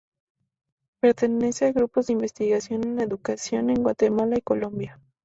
Pertenece a grupos de investigación en educación en Guatemala y Colombia.